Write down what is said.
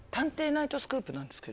ナイトスクープ』なんです。